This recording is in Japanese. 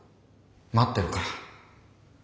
待ってるから。